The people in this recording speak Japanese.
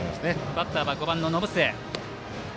バッター、５番の延末。